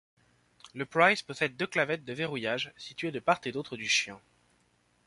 Le Pryse possède deux clavettes de verrouillage, situées de part et d'autre du chien.